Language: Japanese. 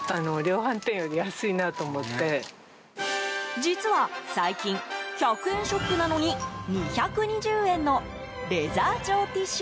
実は最近１００円ショップなのに２２０円の、レザー調ティッシュ